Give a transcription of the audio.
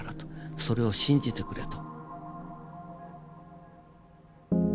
それを信じてくれと。